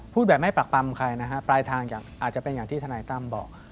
พูดแบบไม่ปรักปรำใครนะฮะปลายทางอาจจะเป็นอย่างที่ทนายตั้มบอก